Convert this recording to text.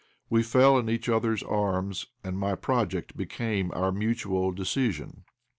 We fell in each other's arms, and my project became our mutual decision.